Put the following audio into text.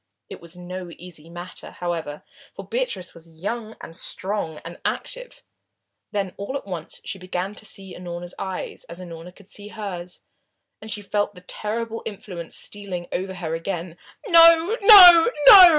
It was no easy matter, however, for Beatrice was young and strong and active. Then all at once she began to see Unorna's eyes, as Unorna could see hers, and she felt the terrible influence stealing over her again. "No no no!"